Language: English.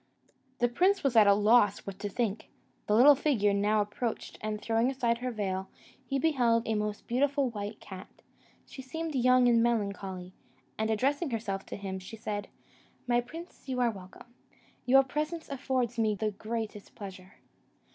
The prince was at a loss what to think. The little figure now approached, and throwing aside her veil, he beheld a most beautiful white cat: she seemed young and melancholy; and, addressing herself to him, she said, "My prince, you are welcome; your presence affords me the greatest pleasure."